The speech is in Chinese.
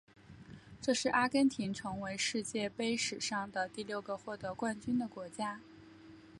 这是阿根廷成为世界杯史上的第六个获得冠军的国家。